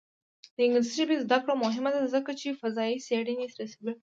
د انګلیسي ژبې زده کړه مهمه ده ځکه چې فضايي څېړنې رسوي.